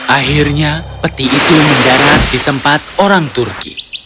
akhirnya peti itu mendarat di tempat orang turki